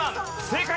正解！